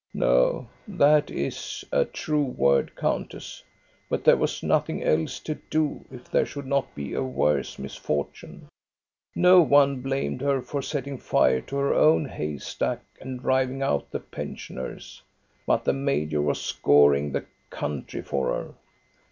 '* No, that is a true word, countess, but there was nothing else to do, if there should not be a worse mis fortune. No one blamed her for setting fire to her own hay stack and driving out the pensioners, but the major was scouring the country for her.